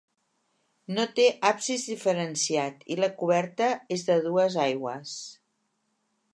No té absis diferenciat i la coberta és de dues aigües.